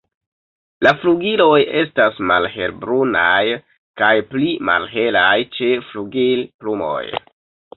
La flugiloj estas malhelbrunaj kaj pli malhelaj ĉe flugilplumoj.